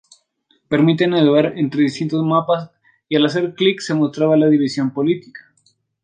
Permite navegar entre distintos mapas, al hacer clic se mostrara la división política.